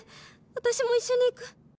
私も一緒に逝く！」。